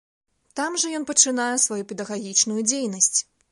Там жа ён пачынае сваю педагагічную дзейнасць.